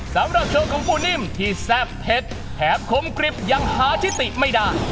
สำหรับโชว์ของปูนิ่มที่แซ่บเผ็ดแถมคมกริบยังหาทิติไม่ได้